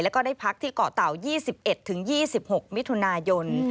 แล้วก็ได้พักที่เกาะเต่า๒๑๒๖มิถุนายน